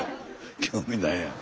興味ないやん。